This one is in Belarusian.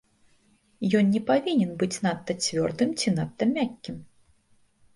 Ён не павінен быць надта цвёрдым ці надта мяккім.